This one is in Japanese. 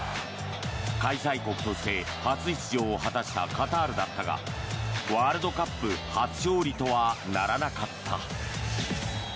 開催国として初出場を果たしたカタールだったがワールドカップ初勝利とはならなかった。